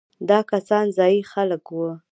دا کسان ځايي خلک وو.